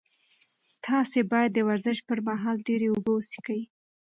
تاسي باید د ورزش پر مهال ډېرې اوبه وڅښئ.